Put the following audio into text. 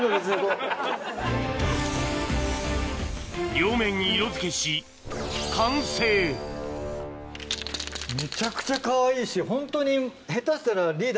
両面に色付けしめちゃくちゃかわいいしホントに下手したら。